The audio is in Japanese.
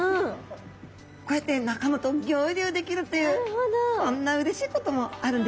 こうやって仲間と合流できるっていうこんなうれしいこともあるんですね。